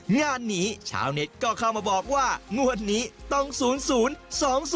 งานนี้ชาวเน็ตก็เข้ามาบอกว่างวดนี้ต้อง๐๐๒๐